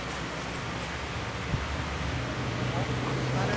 おっ始まる。